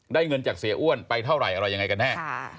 เงินจากเสียอ้วนไปเท่าไหร่อะไรยังไงกันแน่